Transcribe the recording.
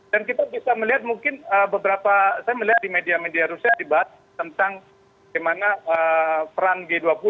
dan kita bisa melihat mungkin beberapa saya melihat di media media rusia dibahas tentang gimana peran g dua puluh